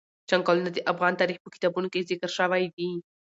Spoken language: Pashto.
چنګلونه د افغان تاریخ په کتابونو کې ذکر شوی دي.